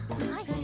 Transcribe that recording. はい。